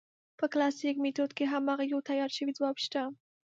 په کلاسیک میتود کې هماغه یو تیار شوی ځواب شته.